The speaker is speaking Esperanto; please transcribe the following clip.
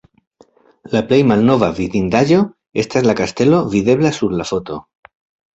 La plej malnova vidindaĵo estas la kastelo videbla sur la foto.